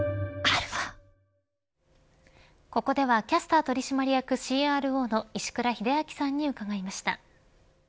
ここではキャスター取締役ＣＲＯの石倉秀明さんに伺いました。